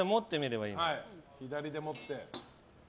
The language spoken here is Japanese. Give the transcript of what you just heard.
左で持って。